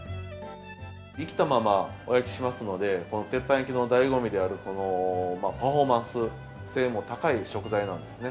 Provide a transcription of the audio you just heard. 生きたままお焼きしますので、鉄板焼きのだいご味である、このパフォーマンス性も高い食材なんですね。